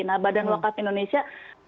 nah badan wakaf indonesia